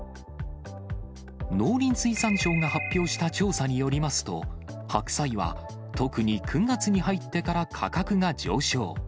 農林水産省が発表した調査によりますと、白菜は、特に９月に入ってから価格が上昇。